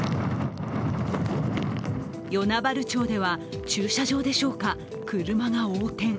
与那原町では、駐車場でしょうか、車が横転。